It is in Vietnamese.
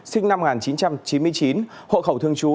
sinh năm một nghìn chín trăm chín mươi chín hộ khẩu thường trú